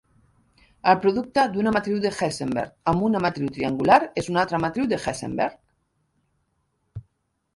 El producte d'una matriu de Hessenberg amb una matriu triangular és una altra matriu de Hessenberg.